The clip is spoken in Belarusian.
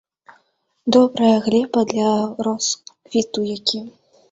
Добрая глеба для росквіту які.